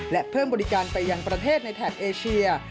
และเพิ่มบริการไปยังประเทศในแถบเอเชีย